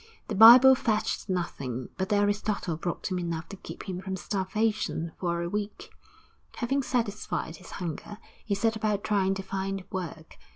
The Bible fetched nothing, but the Aristotle brought him enough to keep him from starvation for a week. Having satisfied his hunger, he set about trying to find work.